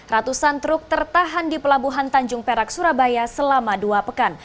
ratusan truk tertahan di pelabuhan tanjung perak surabaya selama dua pekan